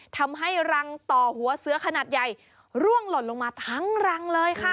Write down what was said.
ทำให้รังต่อหัวเสือขนาดใหญ่ร่วงหล่นลงมาทั้งรังเลยค่ะ